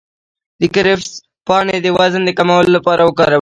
د کرفس پاڼې د وزن د کمولو لپاره وکاروئ